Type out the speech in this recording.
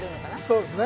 そうですね。